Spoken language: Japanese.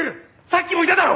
さっきもいただろ！